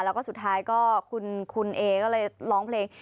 แล้วก็สุดท้ายก็คุณเอก็เลยร้องเพลง